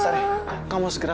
sari kamu segera